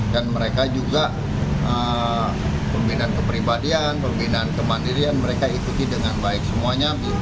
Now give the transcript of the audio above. dan mereka juga pembinaan kepribadian pembinaan kemandirian mereka ikuti dengan baik semuanya